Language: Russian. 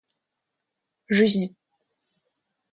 жизни